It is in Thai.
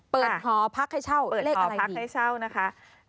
เปิดหอพักให้เช่าเลขอะไรดีเปิดหอพักให้เช่านะคะ